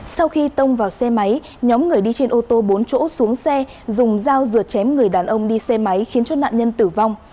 sau khi tông vào xe máy nhóm người đi trên ô tô bốn chỗ xuống xe dùng dao dựa chém người đàn ông đi xe máy khiến cho nạn nhân tử vong